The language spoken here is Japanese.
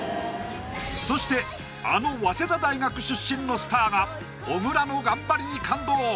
そしてあの早稲田大学出身のスターが小倉の頑張りに感動！